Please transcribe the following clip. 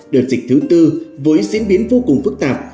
đợt dịch thứ tư với diễn biến vô cùng phức tạp